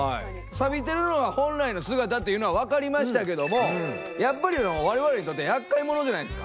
サビてるのは本来の姿っていうのはわかりましたけどもやっぱり我々にとってやっかい者じゃないですか。